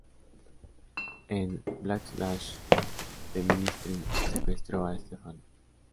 En Backlash The Ministry secuestró a Stephanie.